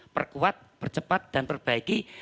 perkuat percepat dan perbaiki